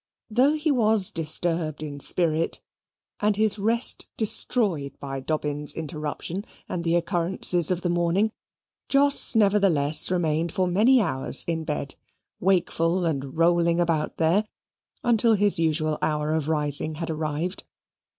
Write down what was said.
Though he was disturbed in spirit, and his rest destroyed by Dobbin's interruption and the occurrences of the morning, Jos nevertheless remained for many hours in bed, wakeful and rolling about there until his usual hour of rising had arrived.